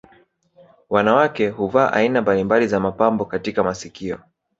Wanawake huvaa aina mbalimbali za mapambo katika masikio